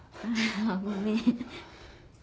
ごめん。